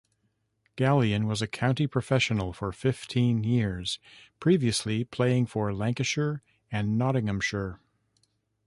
Gallian was a county professional for fifteen years, previously playing for Lancashire and Nottinghamshire.